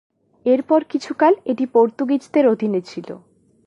এরপর কিছুকাল এটি পর্তুগিজদের অধীনে ছিল।